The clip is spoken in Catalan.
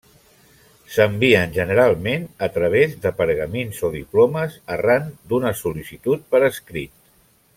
S'envien generalment a través de pergamins o diplomes arran d'una sol·licitud per escrit.